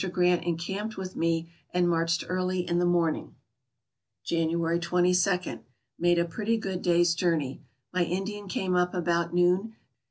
Grant encamped with me and marched early in the morning. January 22. — Made a pretty good day's journey. My Indian came up about noon.